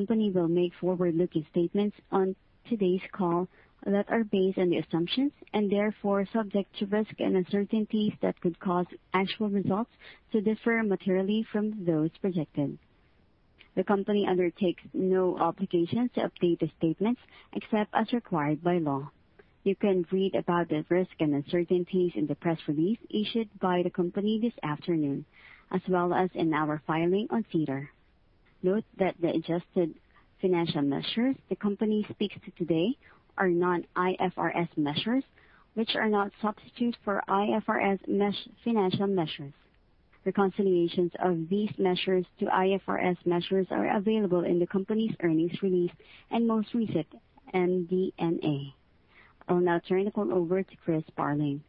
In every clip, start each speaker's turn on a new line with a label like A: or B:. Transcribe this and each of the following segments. A: Company will make forward-looking statements on today's call that are based on the assumptions and therefore subject to risks and uncertainties that could cause actual results to differ materially from those projected. The company undertakes no obligations to update the statements except as required by law. You can read about the risks and uncertainties in the press release issued by the company this afternoon, as well as in our filing on SEDAR. Note that the adjusted financial measures the company speaks to today are non-IFRS measures, which are not substitutes for IFRS financial measures. Reconciliations of these measures to IFRS measures are available in the company's earnings release and most recent MD&A. I'll now turn the call over to Chris Sparling.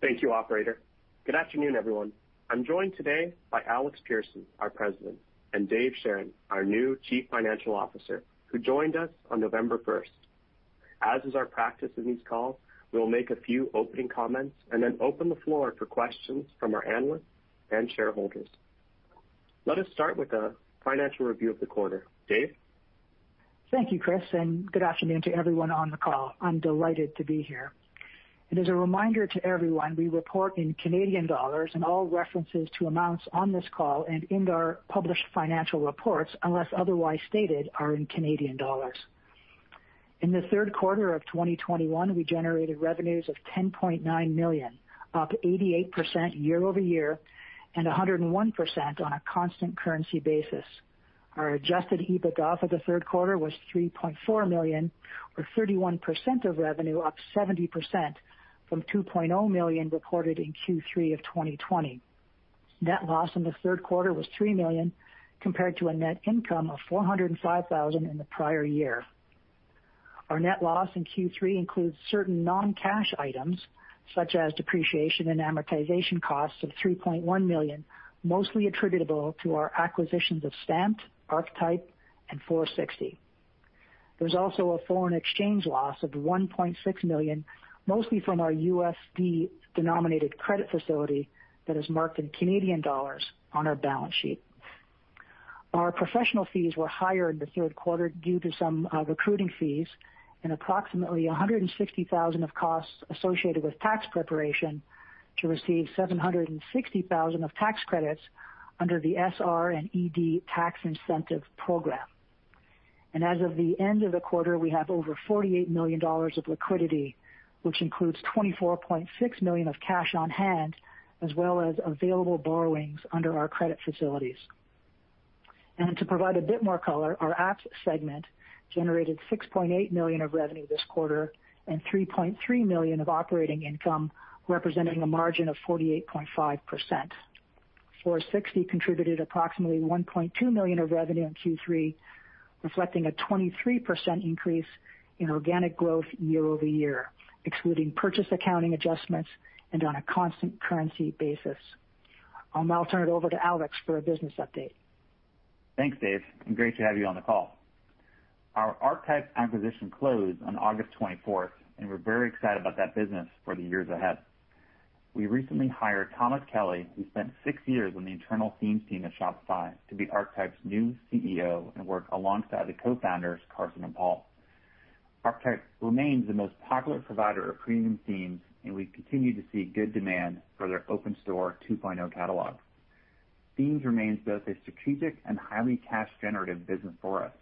B: Thank you, operator. Good afternoon, everyone. I'm joined today by Alex Persson, our President, and Dave Charron, our new Chief Financial Officer, who joined us on November 1st. As is our practice in these calls, we'll make a few opening comments and then open the floor for questions from our analysts and shareholders. Let us start with a financial review of the quarter. Dave?
C: Thank you, Chris, and good afternoon to everyone on the call. I'm delighted to be here. As a reminder to everyone, we report in Canadian dollars and all references to amounts on this call and in our published financial reports, unless otherwise stated, are in Canadian dollars. In the third quarter of 2021, we generated revenues of 10.9 million, up 88% year-over-year and 101% on a constant currency basis. Our adjusted EBITDA for the third quarter was 3.4 million or 31% of revenue, up 70% from 2.0 million reported in Q3 of 2020. Net loss in the third quarter was 3 million, compared to a net income of 405,000 in the prior year. Our net loss in Q3 includes certain non-cash items such as depreciation and amortization costs of 3.1 million, mostly attributable to our acquisitions of Stamped, Archetype, and Foursixty. There's also a foreign exchange loss of 1.6 million, mostly from our USD-denominated credit facility that is marked in Canadian dollars on our balance sheet. Our professional fees were higher in the third quarter due to some recruiting fees and approximately 160,000 of costs associated with tax preparation to receive 760,000 of tax credits under the SR&ED tax incentive program. As of the end of the quarter, we have over 48 million dollars of liquidity, which includes 24.6 million of cash on hand, as well as available borrowings under our credit facilities. To provide a bit more color, our Apps segment generated 6.8 million of revenue this quarter and 3.3 million of operating income, representing a margin of 48.5%. Foursixty contributed approximately 1.2 million of revenue in Q3, reflecting a 23% increase in organic growth year-over-year, excluding purchase accounting adjustments and on a constant currency basis. I'll now turn it over to Alex for a business update.
D: Thanks, Dave, and great to have you on the call. Our Archetype acquisition closed on August 24th, and we're very excited about that business for the years ahead. We recently hired Thomas Kelly, who spent six years on the internal themes team at Shopify, to be Archetype's new CEO and work alongside the Co-Founders, Carson and Paul. Archetype remains the most popular provider of premium themes, and we continue to see good demand for their Online Store 2.0 catalog. Themes remains both a strategic and highly cash generative business for us.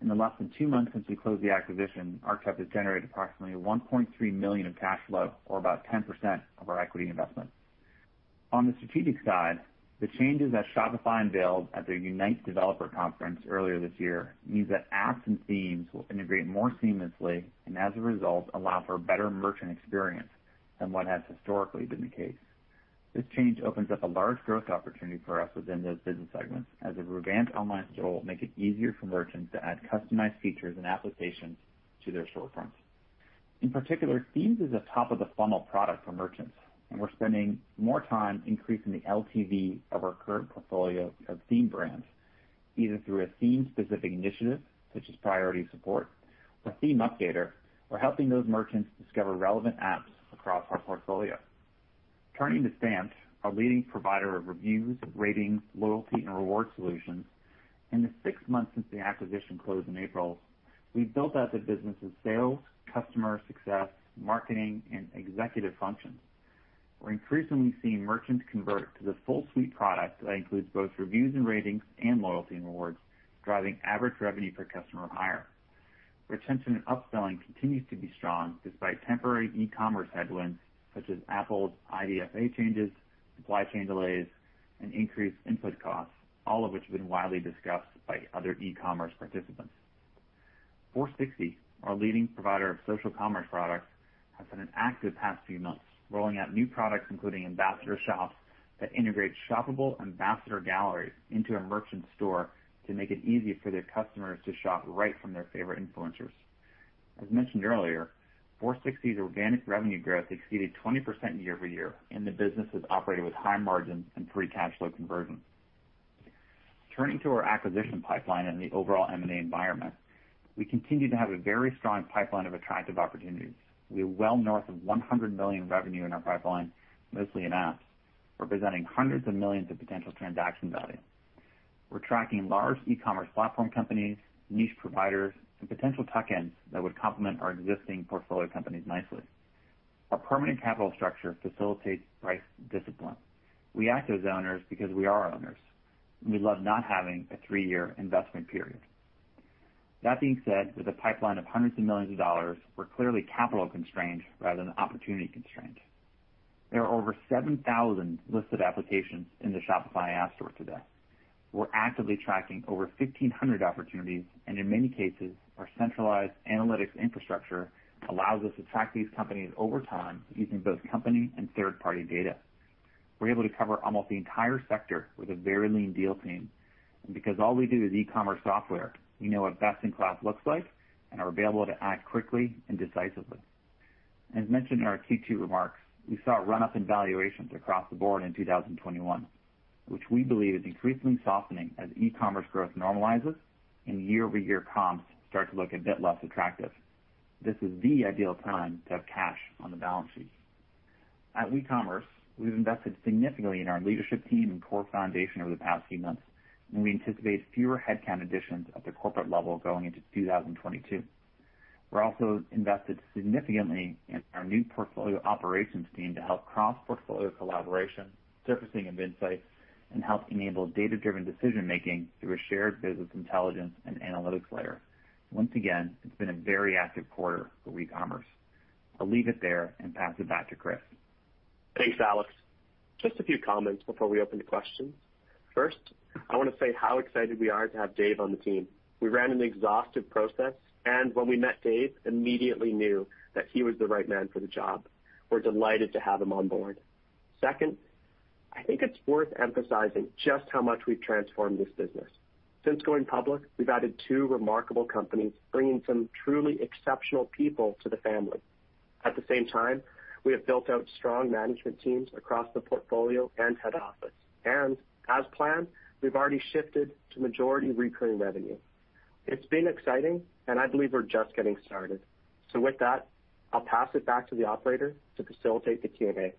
D: In the less than two months since we closed the acquisition, Archetype has generated approximately 1.3 million in cash flow, or about 10% of our equity investment. On the strategic side, the changes that Shopify unveiled at their Unite developer conference earlier this year means that apps and themes will integrate more seamlessly and as a result, allow for a better merchant experience than what has historically been the case. This change opens up a large growth opportunity for us within those business segments as a revamped online store will make it easier for merchants to add customized features and applications to their storefronts. In particular, Themes is a top of the funnel product for merchants, and we're spending more time increasing the LTV of our current portfolio of theme brands, either through a theme-specific initiative such as priority support or theme updater, or helping those merchants discover relevant apps across our portfolio. Turning to Stamped, our leading provider of reviews, ratings, loyalty and reward solutions. In the six months since the acquisition closed in April, we've built out the business's sales, customer success, marketing and executive functions. We're increasingly seeing merchants convert to the full suite product that includes both reviews and ratings and loyalty and rewards, driving average revenue per customer higher. Retention and upselling continues to be strong despite temporary e-commerce headwinds such as Apple's IDFA changes, supply chain delays, and increased input costs, all of which have been widely discussed by other e-commerce participants. Foursixty, our leading provider of social commerce products, has been active in the past few months, rolling out new products, including Ambassador Shops that integrate shoppable ambassador galleries into a merchant's store to make it easy for their customers to shop right from their favorite influencers. As mentioned earlier, Foursixty's organic revenue growth exceeded 20% year-over-year, and the business has operated with high margins and free cash flow conversion. Turning to our acquisition pipeline and the overall M&A environment, we continue to have a very strong pipeline of attractive opportunities. We are well north of 100 million revenue in our pipeline, mostly in apps, representing hundreds of millions of potential transaction value. We're tracking large e-commerce platform companies, niche providers, and potential tuck-ins that would complement our existing portfolio companies nicely. Our permanent capital structure facilitates price discipline. We act as owners because we are owners, and we love not having a three-year investment period. That being said, with a pipeline of hundreds of millions of dollars, we're clearly capital constrained rather than opportunity constrained. There are over 7,000 listed applications in the Shopify App Store today. We're actively tracking over 1,500 opportunities, and in many cases, our centralized analytics infrastructure allows us to track these companies over time using both company and third-party data. We're able to cover almost the entire sector with a very lean deal team. Because all we do is e-commerce software, we know what best in class looks like and are available to act quickly and decisively. As mentioned in our Q2 remarks, we saw a run-up in valuations across the board in 2021, which we believe is increasingly softening as e-commerce growth normalizes and year-over-year comps start to look a bit less attractive. This is the ideal time to have cash on the balance sheet. At WeCommerce, we've invested significantly in our leadership team and core foundation over the past few months, and we anticipate fewer headcount additions at the corporate level going into 2022. We're also invested significantly in our new portfolio operations team to help cross-portfolio collaboration, surfacing of insights, and help enable data-driven decision-making through a shared business intelligence and analytics layer. Once again, it's been a very active quarter for WeCommerce. I'll leave it there and pass it back to Chris.
B: Thanks, Alex. Just a few comments before we open to questions. First, I want to say how excited we are to have Dave on the team. We ran an exhaustive process, and when we met Dave, immediately knew that he was the right man for the job. We're delighted to have him on board. Second, I think it's worth emphasizing just how much we've transformed this business. Since going public, we've added two remarkable companies, bringing some truly exceptional people to the family. At the same time, we have built out strong management teams across the portfolio and head office. As planned, we've already shifted to majority recurring revenue. It's been exciting, and I believe we're just getting started. With that, I'll pass it back to the operator to facilitate the Q&A.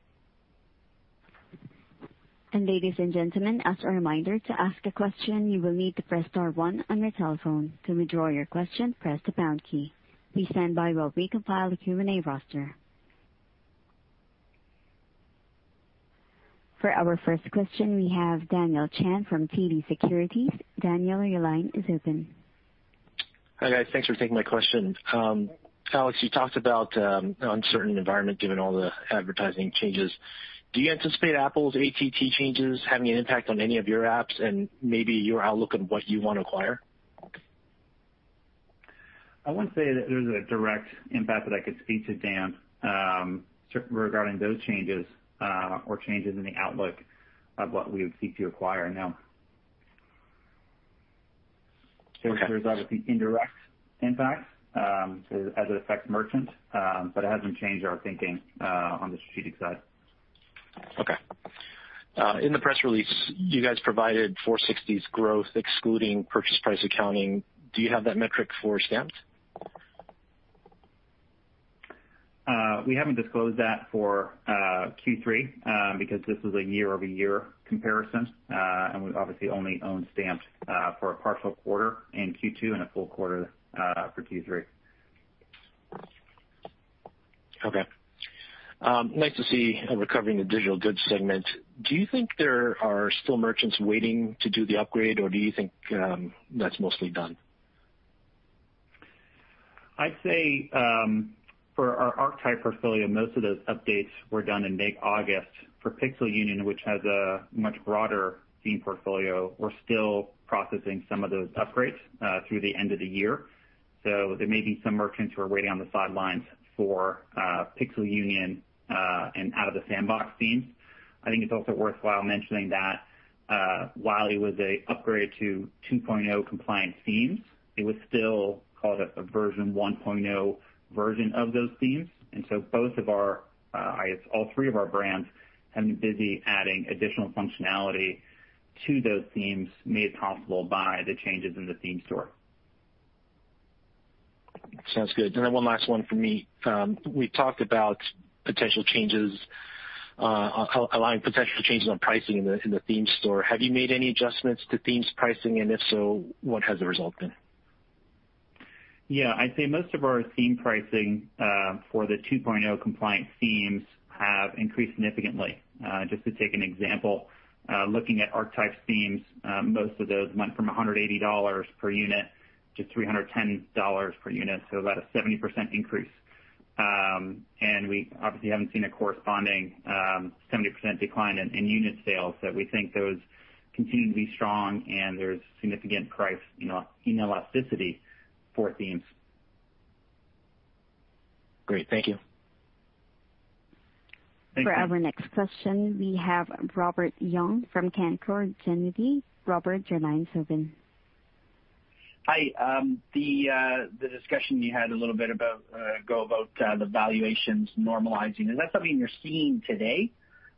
A: Ladies and gentlemen, as a reminder, to ask a question, you will need to press star one on your telephone. To withdraw your question, press the pound key. Please stand by while we compile the Q&A roster. For our first question, we have Daniel Chan from TD Securities. Daniel, your line is open.
E: Hi, guys. Thanks for taking my question. Alex, you talked about an uncertain environment given all the advertising changes. Do you anticipate Apple's ATT changes having an impact on any of your apps and maybe your outlook on what you want to acquire?
D: I wouldn't say that there's a direct impact that I could speak to, Dan, regarding those changes, or changes in the outlook of what we would seek to acquire, no.
E: Okay.
D: There's obviously indirect impact, as it affects merchants, but it hasn't changed our thinking, on the strategic side.
E: Okay. In the press release, you guys provided Foursixty's growth excluding purchase price accounting. Do you have that metric for Stamped?
D: We haven't disclosed that for Q3 because this is a year-over-year comparison and we obviously only own Stamped for a partial quarter in Q2 and a full quarter for Q3.
E: Okay. Nice to see a recovery in the digital goods segment. Do you think there are still merchants waiting to do the upgrade, or do you think that's mostly done?
D: I'd say for our Archetype portfolio, most of those updates were done in late August. For Pixel Union, which has a much broader theme portfolio, we're still processing some of those upgrades through the end of the year. There may be some merchants who are waiting on the sidelines for Pixel Union and Out of the Sandbox themes. I think it's also worthwhile mentioning that while it was an upgrade to 2.0 compliant themes, it was still called a version 1.0 version of those themes. Both of our, I guess all three of our brands have been busy adding additional functionality to those themes made possible by the changes in the theme store.
E: Sounds good. One last one from me. We talked about aligning potential changes on pricing in the theme store. Have you made any adjustments to themes pricing? If so, what has the result been?
D: Yeah. I'd say most of our theme pricing for the 2.0 compliant themes have increased significantly. Just to take an example, looking at Archetype's themes, most of those went from $180-$310 per unit, so about a 70% increase. We obviously haven't seen a corresponding 70% decline in unit sales, so we think those continue to be strong, and there's significant price, you know, inelasticity for themes.
E: Great. Thank you.
D: Thank you.
A: For our next question, we have Robert Young from Canaccord Genuity. Robert, your line is open.
F: Hi. The discussion you had a little bit about the valuations normalizing, is that something you're seeing today,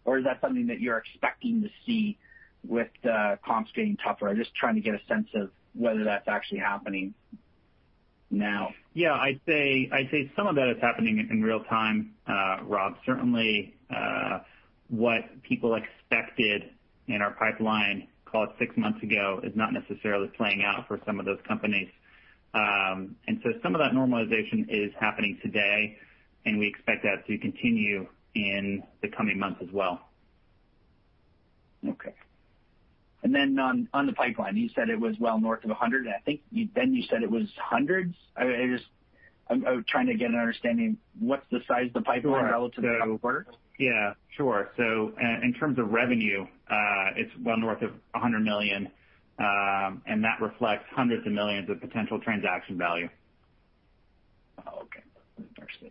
F: or is that something that you're expecting to see with comps getting tougher? I'm just trying to get a sense of whether that's actually happening now?
D: Yeah, I'd say some of that is happening in real time, Rob. Certainly, what people expected in our pipeline call it six months ago is not necessarily playing out for some of those companies. Some of that normalization is happening today, and we expect that to continue in the coming months as well.
F: Okay. On the pipeline, you said it was well north of 100. I think then you said it was hundreds. I'm trying to get an understanding what's the size of the pipeline relative to?
D: Yeah, sure. In terms of revenue, it's well north of 100 million, and that reflects hundreds of millions of potential transaction value.
F: Oh, okay. Interesting.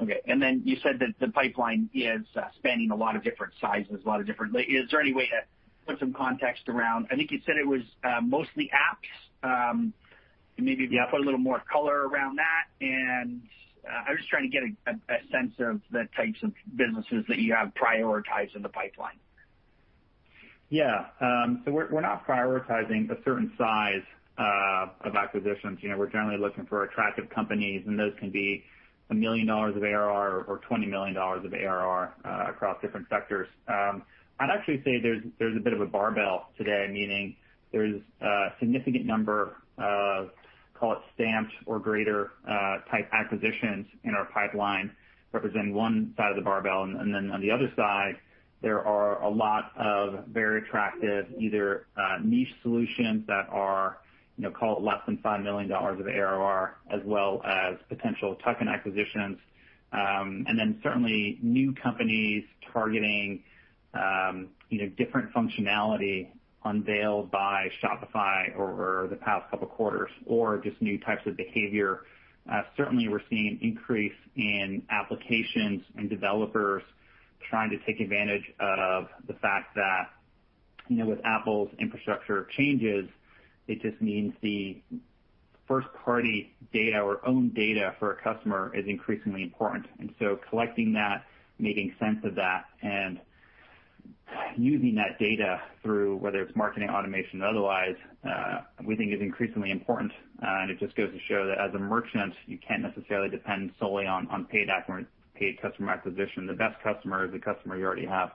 F: Okay. Then you said that the pipeline is spanning a lot of different sizes. Is there any way to put some context around, I think you said it was mostly apps. Maybe if you put a little more color around that? I'm just trying to get a sense of the types of businesses that you have prioritized in the pipeline?
D: Yeah. We're not prioritizing a certain size of acquisitions. You know, we're generally looking for attractive companies, and those can be 1 million dollars of ARR or 20 million dollars of ARR across different sectors. I'd actually say there's a bit of a barbell today, meaning there's a significant number of, call it, Stamped or greater type acquisitions in our pipeline representing one side of the barbell. On the other side, there are a lot of very attractive either niche solutions that are, you know, call it less than 5 million dollars of ARR, as well as potential tuck-in acquisitions. Certainly new companies targeting, you know, different functionality unveiled by Shopify over the past couple quarters or just new types of behavior. Certainly we're seeing an increase in applications and developers trying to take advantage of the fact that, you know, with Apple's infrastructure changes, it just means the first party data or own data for a customer is increasingly important. Collecting that, making sense of that, and using that data through, whether it's marketing automation or otherwise, we think is increasingly important. It just goes to show that as a merchant, you can't necessarily depend solely on paid customer acquisition. The best customer is the customer you already have.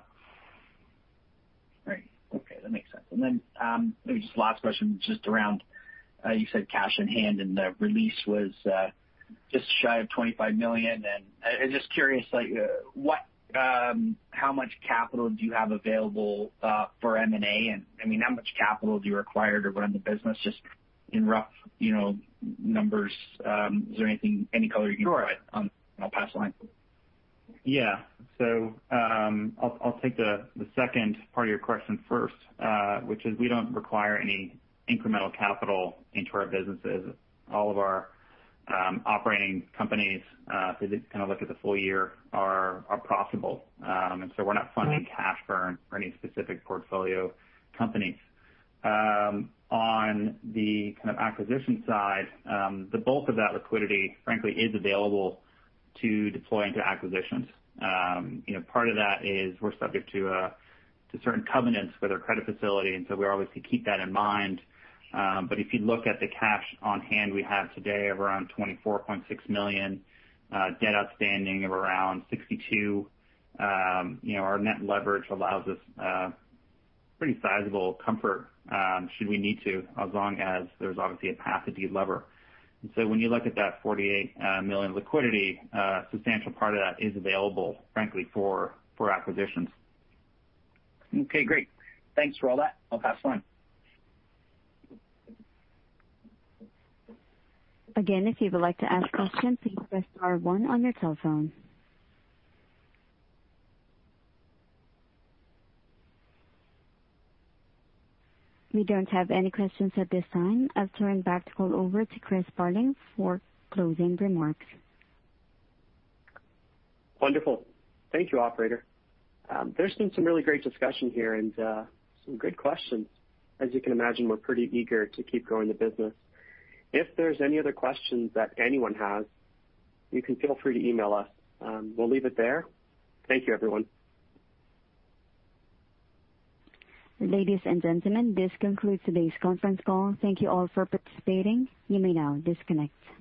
F: Great. Okay, that makes sense. Maybe just last question, just around, you said cash in hand and the release was just shy of 25 million. I'm just curious, like what, how much capital do you have available for M&A? I mean, how much capital do you require to run the business? Just in rough, you know, numbers. Is there anything, any color you can provide on?
D: Sure.
F: I'll pass the line.
D: Yeah. I'll take the second part of your question first, which is we don't require any incremental capital into our businesses. All of our operating companies, if you kind of look at the full year are profitable. We're not funding cash burn for any specific portfolio companies. On the kind of acquisition side, the bulk of that liquidity, frankly, is available to deploy into acquisitions. You know, part of that is we're subject to to certain covenants with our credit facility, and so we always keep that in mind. If you look at the cash on hand we have today of around 24.6 million, debt outstanding of around 62 million, you know, our net leverage allows us pretty sizable comfort should we need to, as long as there's obviously a path to de-lever. When you look at that 48 million liquidity, a substantial part of that is available, frankly, for acquisitions.
F: Okay, great. Thanks for all that. I'll pass the line.
A: Again, if you would like to ask questions, please press star one on your telephone. We don't have any questions at this time. I'll turn the call back over to Chris Sparling for closing remarks.
B: Wonderful. Thank you, operator. There's been some really great discussion here and some good questions. As you can imagine, we're pretty eager to keep growing the business. If there's any other questions that anyone has, you can feel free to email us. We'll leave it there. Thank you, everyone.
A: Ladies and gentlemen, this concludes today's conference call. Thank you all for participating. You may now disconnect.